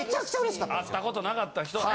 会ったことなかった人ね。